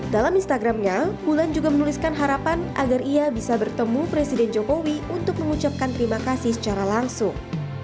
dalam instagramnya wulan juga menuliskan harapan agar ia bisa bertemu presiden jokowi untuk mengucapkan terima kasih secara langsung